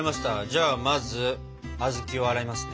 じゃあまず小豆を洗いますね。